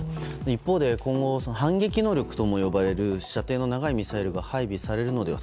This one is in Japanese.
一方で今後反撃能力ともいわれる射程の長いミサイルが配備されるのでは？